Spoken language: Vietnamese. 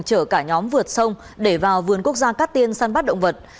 chở cả nhóm vượt sông để vào vườn quốc gia cát tiên săn bắt động vật